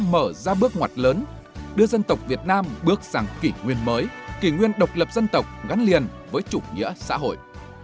đó chính là cách mạng đã mở ra bước ngoặt lớn đưa dân tộc việt nam bước sang kỷ nguyên mới kỷ nguyên độc lập dân tộc gắn liền với chủ nghĩa xã hội